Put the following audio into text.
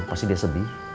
pasti dia sedih